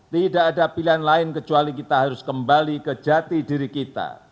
tidak ada pilihan lain kecuali kita harus kembali ke jati diri kita